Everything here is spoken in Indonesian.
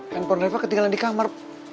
telepon reva ketinggalan di kamar